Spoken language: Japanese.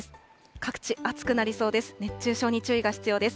各地、暑くなりそうです。